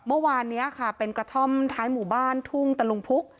เมื่อวานนี้ค่ะเป็นกระท่อมท้ายหมู่บ้านทุ่งตะลุงพุก